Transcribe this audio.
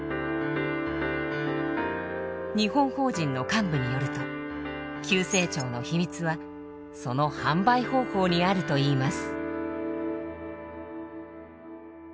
日本法人の幹部によると急成長の秘密はその販売方法にあるといいます。